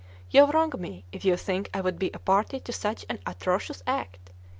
You wrong me if you think I would be a party to such an atrocious act.